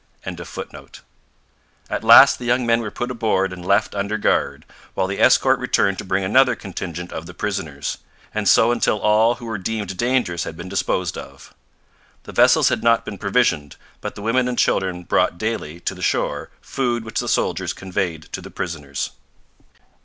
'] At last the young men were put aboard and left under guard, while the escort returned to bring another contingent of the prisoners; and so until all who were deemed dangerous had been disposed of. The vessels had not been provisioned; but the women and children brought daily to the shore food which the soldiers conveyed to the prisoners.